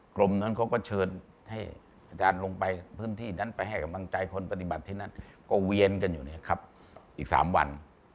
กรมนั้นเขาก็เชิญให้อาจารย์ลงไปพื้นที่นั้นไปให้กำลังใจคนปฏิบัติที่นั่นก็เวียนกันอยู่เนี่ยครับอีก๓วัน